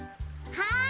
はい。